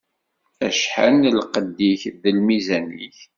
Acḥal lqedd-ik d lmizan-ik.